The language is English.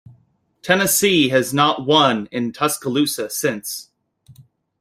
Tennessee has not won in Tuscaloosa since.